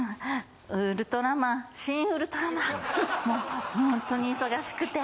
ウルトラマン『シン・ウルトラマン』もホントに忙しくて。